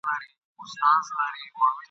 د شګوفو تر ونو لاندي دمه سوم ..